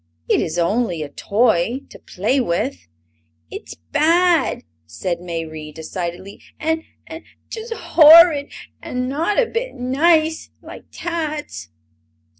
"It is only a toy to play with!" "It's bad!" said Mayrie, decidedly, "an' an' just horrid, an' not a bit nice, like tats!"